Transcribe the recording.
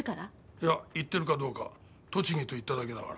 いや行ってるかどうか栃木と言っただけだから。